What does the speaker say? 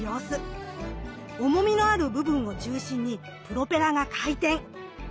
重みのある部分を中心にプロペラが回転。